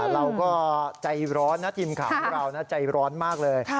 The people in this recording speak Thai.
เราก็ใจร้อนนะทีมข่าวของเราใจร้อนมากเลย